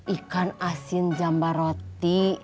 ikan asin jambar roti